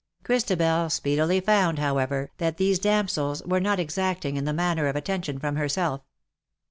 Christabel speedily found,, however^ tliat these damsels were not exacting in the matter of attention from herself.